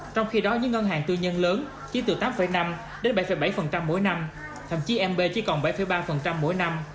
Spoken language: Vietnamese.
trong khi đó những ngân hàng tư nhân lớn chỉ từ tám năm đến bảy bảy mỗi năm thậm chí mb chỉ còn bảy ba mỗi năm